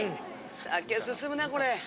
酒すすむなこれ。